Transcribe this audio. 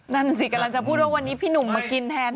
นั่นสิกำลังจะพูดว่าวันนี้พี่หนุ่มมากินแทน